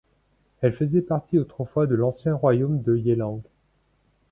Elle faisait partie autrefois de l'ancien royaume de Yelang.